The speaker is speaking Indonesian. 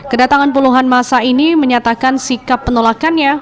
kedatangan puluhan masa ini menyatakan sikap penolakannya